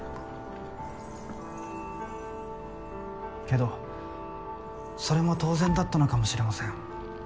けどそれも当然だったのかもしれません。